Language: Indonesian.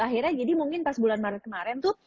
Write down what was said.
akhirnya jadi mungkin pas bulan maret kemarin tuh